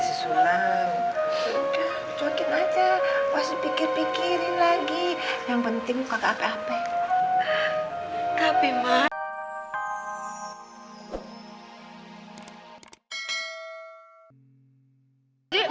sulan cukup aja waspikir pikirin lagi yang penting kata apa apa tapi mah